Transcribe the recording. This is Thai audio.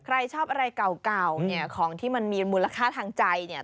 ใครชอบอะไรเก่าเนี่ยของที่มันมีมูลค่าทางใจเนี่ย